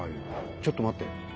ちょっと待って。